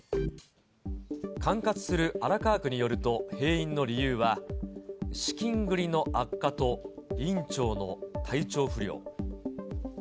管轄する荒川区によると、閉院の理由は、資金繰りの悪化と院長の体調不良。